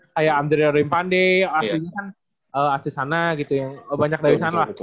kayak andrea rimpande asli asli sana gitu ya banyak dari sana